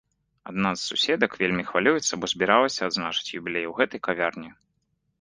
Адна з суседак вельмі хвалюецца, бо збіралася адзначаць юбілей у гэтай кавярні.